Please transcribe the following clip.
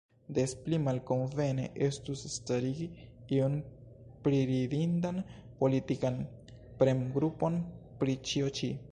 Des pli malkonvene estus starigi iun priridindan politikan premgrupon pri ĉio ĉi.